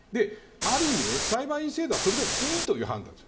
ある意味、裁判員制度はそれでもいいという判断です。